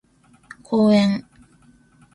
公園